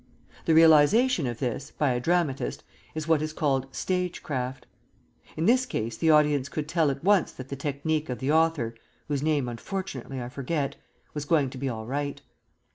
The realization of this, by a dramatist, is what is called "stagecraft." In this case the audience could tell at once that the "technique" of the author (whose name unfortunately I forget) was going to be all right.